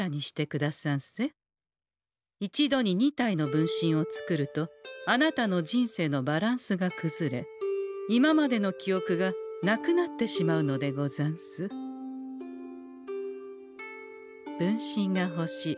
一度に２体の分身を作るとあなたの人生のバランスがくずれ今までのきおくがなくなってしまうのでござんす分身がほしい。